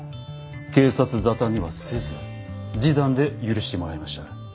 警察沙汰にはせず示談で許してもらいました。